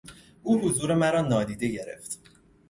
او حضور مرا نادیده گرفت.